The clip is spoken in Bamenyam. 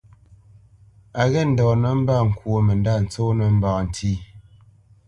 A ghê ndɔ̌ nəmbat ŋkwó mə ndâ tsónə́ mbá ntí.